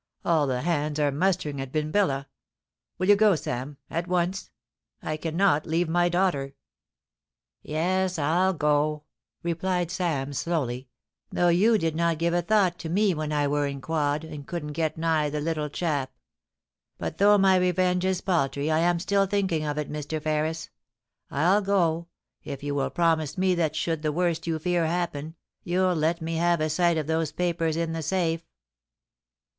All the hands are mustering at Binbilla. Will you go, Sam — at once ? I cannot leave my daughter.' * Yes, I'll go,' replied Sam, slowly ;* though you did not give a thought to me when I were in quod, and couldn't get nigh the little chap. But though my revenge is paltry, I am still thinking of it, Mr. Ferris. I'll go, if you will promise me that should the worst you fear happen, you'll let me have a sight of those papers in the safe.'